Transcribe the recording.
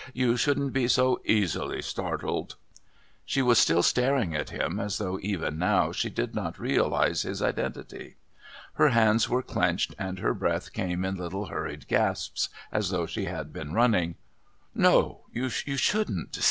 You shouldn't be so easily startled." She was still staring at him as though even now she did not realise his identity. Her hands were clenched and her breath came in little hurried gasps as though she had been running. "No you shouldn't...